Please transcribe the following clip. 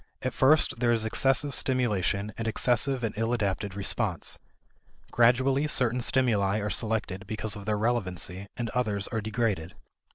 At first, there is excessive stimulation and excessive and ill adapted response. Gradually certain stimuli are selected because of their relevancy, and others are degraded.